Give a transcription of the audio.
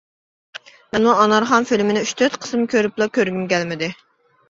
مەنمۇ «ئانارخان» فىلىمىنى ئۈچ-تۆت قىسىم كۆرۈپلا كۆرگۈم كەلمىدى.